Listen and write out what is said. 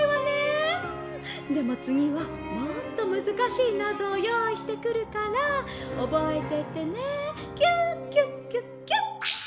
でもつぎはもっとむずかしいナゾをよういしてくるからおぼえててね。キュキュキュキュ」。